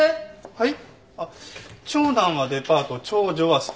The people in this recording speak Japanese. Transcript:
はい。